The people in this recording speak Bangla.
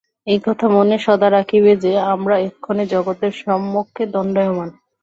এই কথা মনে সদা রাখিবে যে, আমরা এক্ষণে জগতের সমক্ষে দণ্ডায়মান।